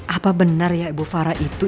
apa benar ya ibu fara itu